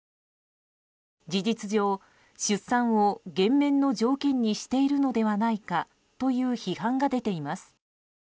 事実上、出産を減免の条件にしているのではないかという批判が出ています。